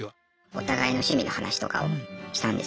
お互いの趣味の話とかをしたんですけど。